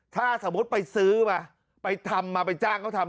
ถ้าสมมุติไปซื้อมาไปทำมาไปจ้างเขาทำ